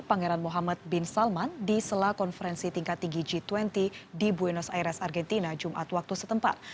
pangeran muhammad bin salman di sela konferensi tingkat tinggi g dua puluh di buenos aires argentina jumat waktu setempat